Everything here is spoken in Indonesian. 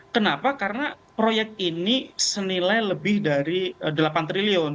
kenapa karena proyek ini senilai lebih dari delapan triliun